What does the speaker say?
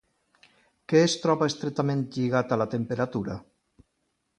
Què es troba estretament lligat a la temperatura?